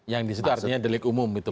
yang disitu artinya delik umum gitu